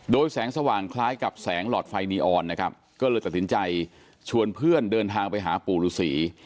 โดยแสงสว่างคล้ายกับแสงหลอดไฟนีออนนะครับก็เลยตัดสินใจชวนเพื่อนเดินทางไปหาปู่ฤษี